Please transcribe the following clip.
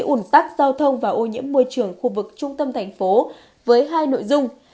ủn tắc giao thông và ô nhiễm môi trường khu vực trung tâm thành phố với hai nội dung